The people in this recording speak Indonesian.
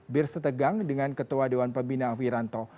bir setegang dengan ketua dewan pembina wiranto